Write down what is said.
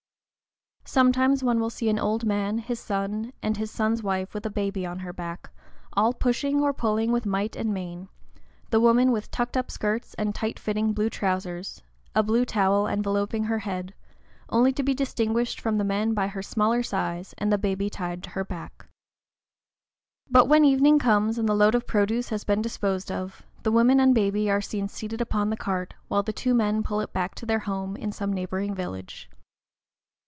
Sometimes one will see an old man, his son, and his son's wife with a baby on her back, all pushing or pulling with might and main; the woman with tucked up skirts and tight fitting blue trousers, a blue towel enveloping her head, only to be distinguished from the men by her smaller size and the baby tied to her back. But when evening comes, and the load of produce has been disposed of, the woman and baby are seen seated upon the cart, while the two men pull it back to their home in some neighboring village.